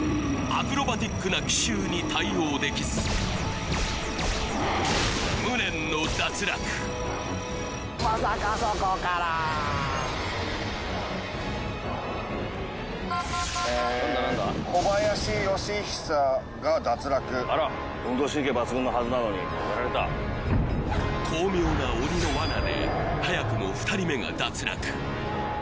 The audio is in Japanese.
アクロバティックな奇襲に対応できず無念の脱落まさかそこからえ小林よしひさが脱落あら巧妙な鬼のワナで早くも２人目が脱落